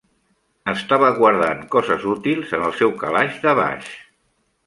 Estava guardant coses útils en el seu calaix de baix.